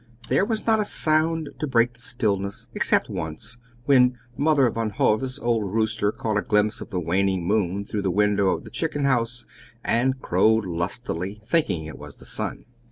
There was not a sound to break the stillness, except once when Mother Van Hove's old rooster caught a glimpse of the waning moon through the window of the chicken house, and crowed lustily, thinking it was the sun.